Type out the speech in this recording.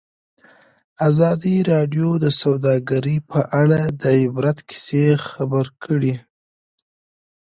ازادي راډیو د سوداګري په اړه د عبرت کیسې خبر کړي.